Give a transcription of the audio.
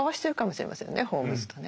ホームズとね。